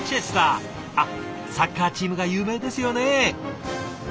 あっサッカーチームが有名ですよね。